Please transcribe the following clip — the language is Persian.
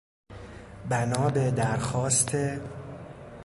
بنا به درخواست...